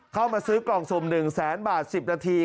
เข้ามาซื้อกล่องสุ่ม๑แสนบาท๑๐นาที